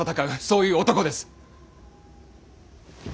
そういう男です。